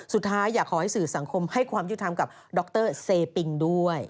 สุดท้ายอยากขอให้สื่อสังคมให้ความยุติธรรมกับด๊อคเตอร์เซปิงด้วย